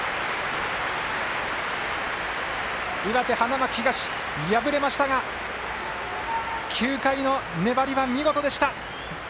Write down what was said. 岩手、花巻東、敗れましたが９回の粘りは、見事でした。